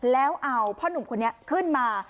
แล้วเอาพ่อนุ่มคนนี้ขึ้นมา